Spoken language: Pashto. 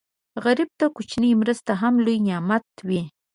غریب ته کوچنۍ مرسته هم لوی نعمت وي